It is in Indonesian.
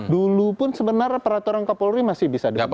dulu pun sebenarnya peraturan kapolri masih bisa dilakukan